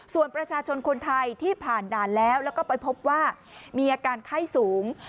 ส่วนประชาชนคนไทยที่ผ่านด่านแล้วแล้วก็ไปพบว่ามีอาการไข้สูง